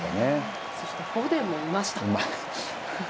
そしてフォデンもいました。